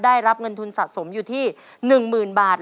ได้รับเงินทุนสะสมอยู่ที่หนึ่งหมื่นบาท